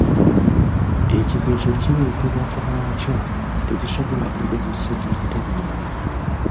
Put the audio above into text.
Ekigezeso, kireetebwa ku bwakyo tekisobola kugezesebwa butereevu.